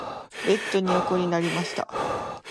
ベッドに横になりました。